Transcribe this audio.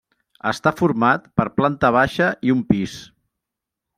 Està format per planta baixa i un pis.